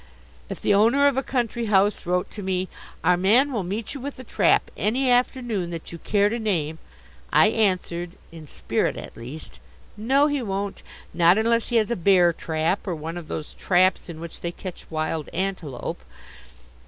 If the owner of a country house wrote to me: "Our man will meet you with a trap any afternoon that you care to name," I answered, in spirit at least: "No, he won't, not unless he has a bear trap or one of those traps in which they catch wild antelope."